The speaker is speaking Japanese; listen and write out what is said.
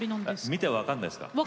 見て、分かんないですか？